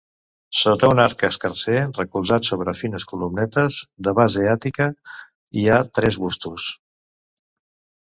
Sota un arc escarser recolzat sobre fines columnetes de base àtica hi ha tres bustos.